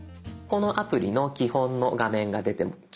このアプリの基本の画面が出てきます。